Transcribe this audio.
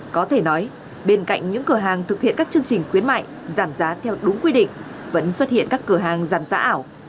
có thể nói bên cạnh những cửa hàng thực hiện các chương trình khuyến mại giảm giá theo đúng quy định vẫn xuất hiện các cửa hàng giảm giá ảo